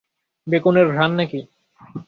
বেকনের ঘ্রাণ নাকি?